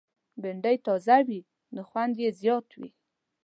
بېنډۍ تازه وي، نو خوند یې زیات وي